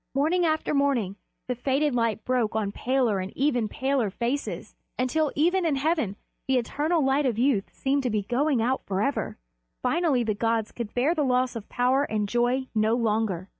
Morning after morning the faded light broke on paler and ever paler faces, until even in heaven the eternal light of youth seemed to be going out forever. Finally the gods could bear the loss of power and joy no longer.